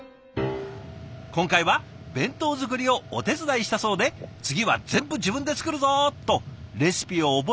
今回は弁当作りをお手伝いしたそうで次は全部自分で作るぞ！とレシピを覚えている最中なんだとか。